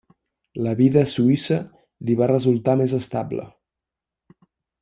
La vida a Suïssa li va resultar més estable.